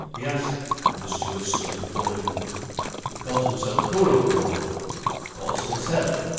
he asked, when the steward stood before him. "He calls himself Curan, lord." "Calls himself.